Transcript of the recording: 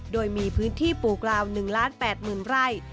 โดยมีพื้นที่ปลูกราว๑ล้าน๘หมื่นไร่